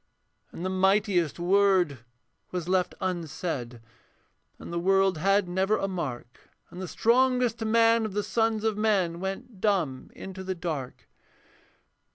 And the mightiest word was left unsaid, And the world had never a mark, And the strongest man of the sons of men Went dumb into the dark.